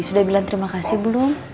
sudah bilang terima kasih belum